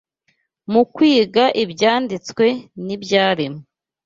mu kwiga Ibyanditswe n’ibyaremwe